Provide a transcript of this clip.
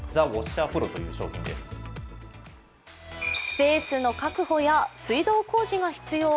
スペースの確保や水道工事が必要。